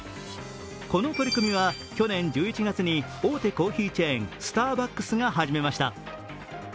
この取り組みは、去年１１月に大手コーヒーチェーン、スターバックスが始めました。